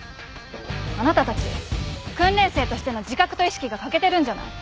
あなたたち訓練生としての自覚と意識が欠けてるんじゃない？